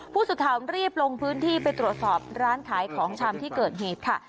ผู้สื่อข่าวรีบลงพื้นที่ไปตรวจสอบร้านขายของชำที่เกิดเหตุค่ะ